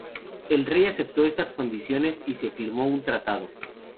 El rey aceptó estas condiciones y se firmó un tratado.